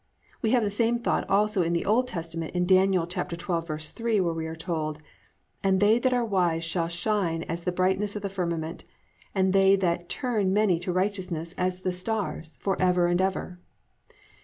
"+ We have the same thought also in the Old Testament in Dan. 12:3, where we are told, +"And they that are wise shall shine as the brightness of the firmament; and they that turn many to righteousness as the stars forever and ever."